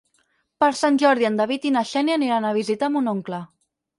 Per Sant Jordi en David i na Xènia aniran a visitar mon oncle.